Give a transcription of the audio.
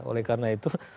oleh karena itu